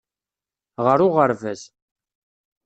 Ɣer uɣerbaz.